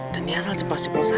dan dia asal cepat sipuluh saja